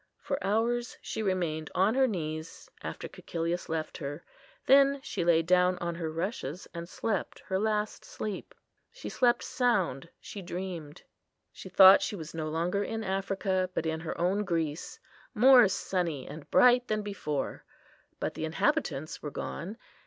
For hours she remained on her knees, after Cæcilius left her: then she lay down on her rushes and slept her last sleep. She slept sound; she dreamed. She thought she was no longer in Africa, but in her own Greece, more sunny and bright than before; but the inhabitants were gone.